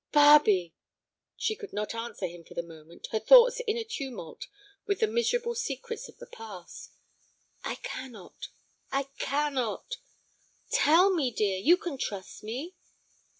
"Barbe!" She could not answer him for the moment, her thoughts in a tumult with the miserable secrets of the past. "I cannot—I cannot!" "Tell me, dear; you can trust me."